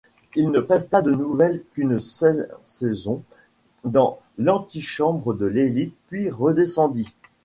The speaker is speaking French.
Il ne presta de nouveau qu’une seule saison dans l’antichambre de l’élite puis redescendit.